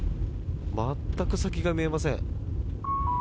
全く先が見えません。